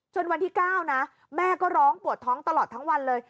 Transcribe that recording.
วันที่๙นะแม่ก็ร้องปวดท้องตลอดทั้งวันเลย